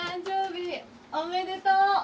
おめでとう！